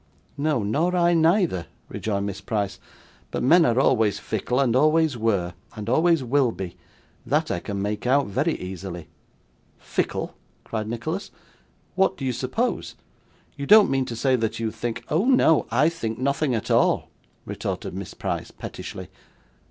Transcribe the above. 'No, nor I neither,' rejoined Miss Price; 'but men are always fickle, and always were, and always will be; that I can make out, very easily.' 'Fickle!' cried Nicholas; 'what do you suppose? You don't mean to say that you think ' 'Oh no, I think nothing at all,' retorted Miss Price, pettishly.